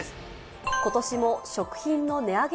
ことしも食品の値上げ